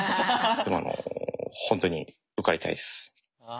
でもあの本当に受かりたいです。